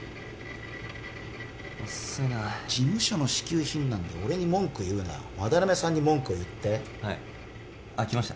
遅いな事務所の支給品だ俺に文句言うな斑目さんに文句を言ってはいあッ来ました